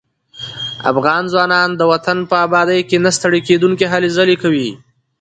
افغان ځوانان د وطن په ابادۍ کې نه ستړي کېدونکي هلې ځلې کوي.